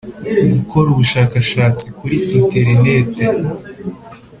gukora ubushakashatsi kuri interineti.